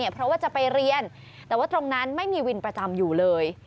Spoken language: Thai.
เพราะว่าจะไปเรียนแต่ว่าตรงนั้นไม่มีวินประจำอยู่เลย